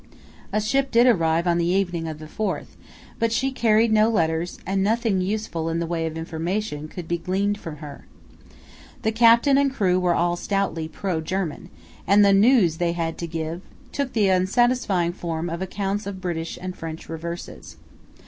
A ship did arrive on the evening of the 4th, but she carried no letters, and nothing useful in the way of information could be gleaned from her. The captain and crew were all stoutly pro German, and the "news" they had to give took the unsatisfying form of accounts of British and French reverses.